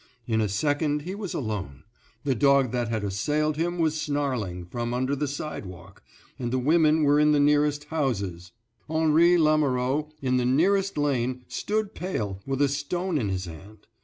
In a second he was alone; the dog that had assailed him was snarling from under the sidewalk, and the women were in the nearest houses. Henri Lamoureux, in the nearest lane, stood pale, with a stone in his hand.